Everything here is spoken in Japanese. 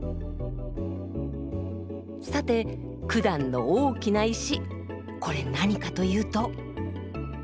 さてくだんの大きな石これ何かというと。